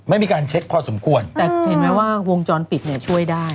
ไม่มีการเช็คพอสมควรแต่เห็นไหมว่าวงจรปิดเนี่ยช่วยได้